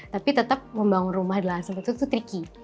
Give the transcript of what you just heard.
tapi tetap membangun rumah di lahan seperti itu tricky